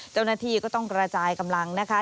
เจ้าหน้าที่ก็ต้องกระจายกำลังนะคะ